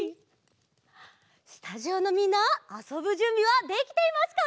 スタジオのみんなあそぶじゅんびはできていますか？